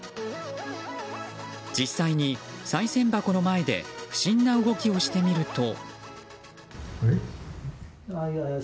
実際にさい銭箱の前で不審な動きをしてみると。